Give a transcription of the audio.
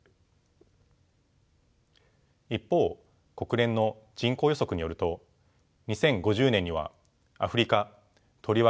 一方国連の人口予測によると２０５０年にはアフリカとりわけサハラ